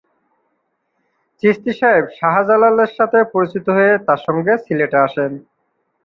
চিশতী সাহেব শাহ জালালের সাথে পরিচিত হয়ে তার সঙ্গে সিলেটে আসেন।